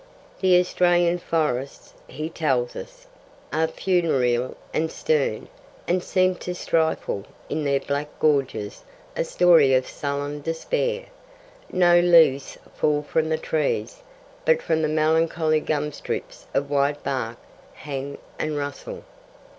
The Australian forests, he tells us, are funereal and stern, and 'seem to stifle, in their black gorges, a story of sullen despair.' No leaves fall from the trees, but 'from the melancholy gum strips of white bark hang and rustle.